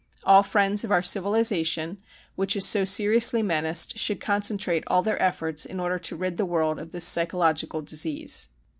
... All friends of our civilisation which is so seriously menaced should concentrate all their efforts in order to rid the world of this psychological disease.